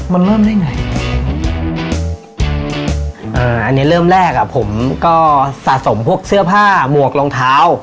มันเริ่มได้ไงอ่าอันนี้เริ่มแรกอ่ะผมก็สะสมพวกเสื้อผ้าหมวกรองเท้า